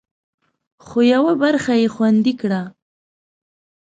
خو، یوه برخه یې خوندي کړه